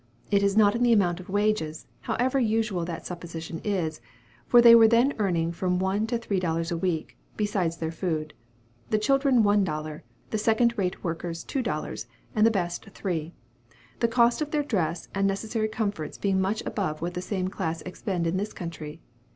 It is not in the amount of wages, however usual that supposition is, for they were then earning from one to three dollars a week, besides their food; the children one dollar (4_s._ 3_d._), the second rate workers two dollars, and the best three: the cost of their dress and necessary comforts being much above what the same class expend in this country.